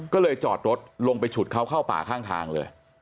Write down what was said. ก็เลยจอดรถลงไปฉุดเขาเข้าป่าข้างทางเลย